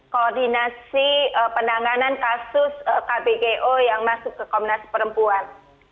koordinasi penanganan kasus kbgo yang masuk ke komnas perempuan